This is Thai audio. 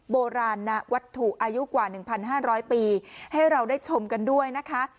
โบราณวัตถุอายุกว่า๑๕๐๐ปีให้เราได้ชมกันด้วยนะคะ